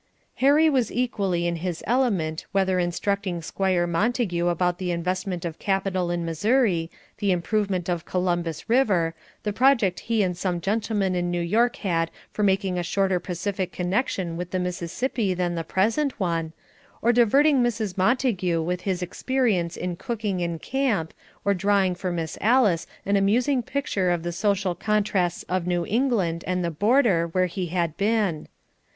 Harry was equally in his element whether instructing Squire Montague about the investment of capital in Missouri, the improvement of Columbus River, the project he and some gentlemen in New York had for making a shorter Pacific connection with the Mississippi than the present one; or diverting Mrs. Montague with his experience in cooking in camp; or drawing for Miss Alice an amusing picture of the social contrasts of New England and the border where he had been.